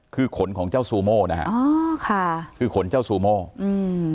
คือขนของเจ้าซูโม่นะฮะอ๋อค่ะคือขนเจ้าซูโมอืม